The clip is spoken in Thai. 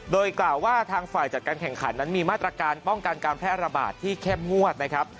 โดยกล่าวว่าทางฝ่ายจัดการแข่งขันนั้นมีมาตรการป้องกันการแพร่ระบาดที่เข้มงวดนะครับ